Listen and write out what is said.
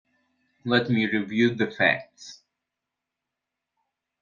Let me review the facts.